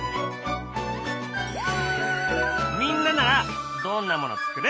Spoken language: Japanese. みんなならどんなもの作る？